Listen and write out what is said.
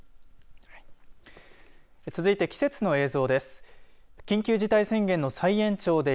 続いて、季節の映像です。